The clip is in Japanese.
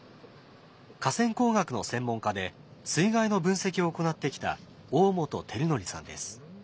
河川工学の専門家で水害の分析を行ってきた大本照憲さんです。